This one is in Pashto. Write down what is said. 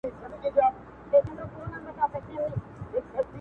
o مضمون د شرافت دي په معنا لوستلی نه دی,